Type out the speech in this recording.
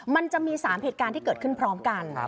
มันจะมี๓เหตุการณ์ที่เกิดขึ้นพร้อมกัน